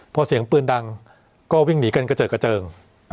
พอเสียงปืนดังก็วิ่งหนีกันกระเจิดกระเจิง